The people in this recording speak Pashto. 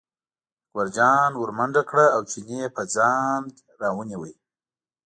اکبرجان ور منډه کړه او چینی یې په ځان راونیوه.